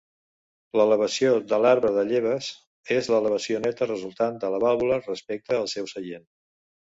L'elevació de l'arbre de lleves és l'elevació neta resultant de la vàlvula respecte al seu seient.